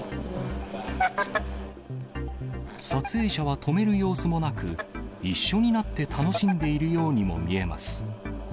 撮影者は止める様子もなく、一緒になって楽しんでいるようにも見えます。